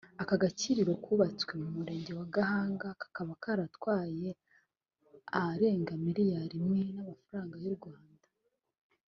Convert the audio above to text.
Aka gakiriro kubatswe mu Murenge wa Gahanga kakaba karatwaye arenga miliyari imwe y’amafaranga y’u Rwanda